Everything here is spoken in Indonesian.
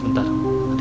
pertama kali ga ngerti